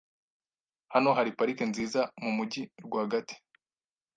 Hano hari parike nziza mumujyi rwagati .